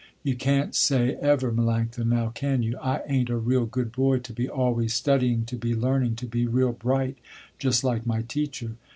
You can't say ever, Melanctha, now can you, I ain't a real good boy to be always studying to be learning to be real bright, just like my teacher.